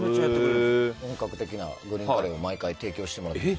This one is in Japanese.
本格的なグリーンカレーを毎回提供してもらって。